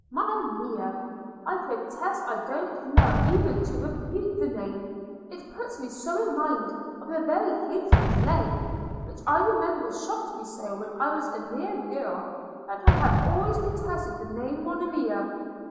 – Monimia! – I protest I don't love even to repeat the name; it puts me so in mind of a very hateful play, which I remember shocked me so when I was a mere girl, that I have always detested the name. Monimia!